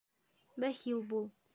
Бәхил бул.